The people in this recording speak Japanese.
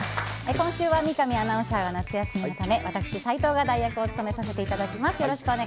今週は三上アナウンサーが夏休みのため私、斉藤が代役を務めさせていただきます。